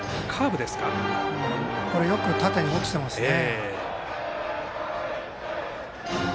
よく縦に落ちてますね。